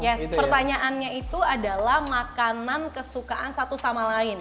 yes pertanyaannya itu adalah makanan kesukaan satu sama lain